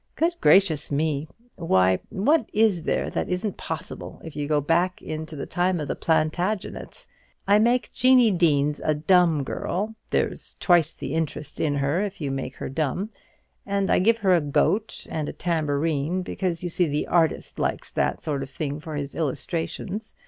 Good gracious me! why, what is there that isn't possible if you go back to the time of the Plantagenets? I make Jeannie Deans a dumb girl, there's twice the interest in her if you make her dumb, and I give her a goat and a tambourine, because, you see, the artist likes that sort of thing for his illustrations.